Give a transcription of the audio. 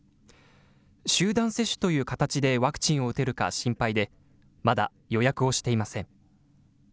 集団接種という形でワクチンを打てるか心配で、まだ予約をしていません。